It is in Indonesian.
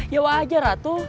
ya wajar atuh